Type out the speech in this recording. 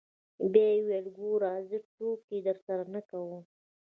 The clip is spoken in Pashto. بيا يې وويل ګوره زه ټوکې درسره نه کوم.